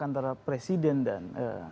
antara presiden dan